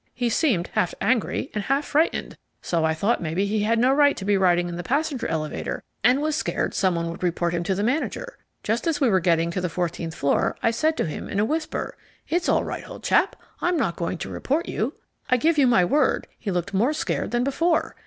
He seemed half angry and half frightened, so I thought maybe he had no right to be riding in the passenger elevator and was scared someone would report him to the manager. Just as we were getting to the fourteenth floor I said to him in a whisper, "It's all right, old chap, I'm not going to report you." I give you my word he looked more scared than before.